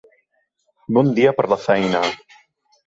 Bon dia per la feina.